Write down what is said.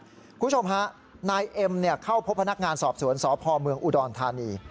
คุณผู้ชมฮะนายเอ็มเข้าพบพนักงานสอบสวนสพเมืองอุดรธานี